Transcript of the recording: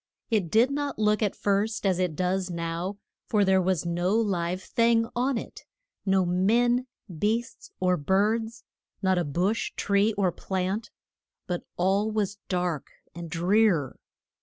It did not look at first as it does now, for there was no live thing on it, no men, beasts, or birds, not a bush, tree or plant, but all was dark and drear.